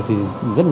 thì rất là đáng